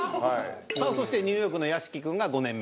さあそしてニューヨークの屋敷君が５年目。